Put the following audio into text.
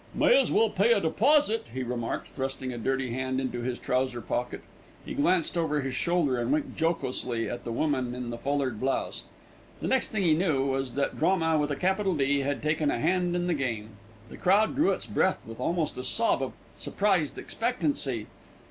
"May as well pay a deposit," he remarked, thrusting a dirty hand into his trouser pocket. He glanced over his shoulder and winked jocosely at the woman with the foulard blouse. The next thing he knew was that Drama with a capital "D" had taken a hand in the game. The crowd drew its breath with almost a sob of surprised expectancy.